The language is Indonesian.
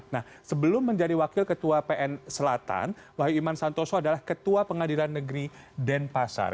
nah sebelum menjadi wakil ketua pn selatan wahyu iman santoso adalah ketua pengadilan negeri denpasar